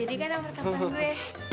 dedy kan nomor teman gue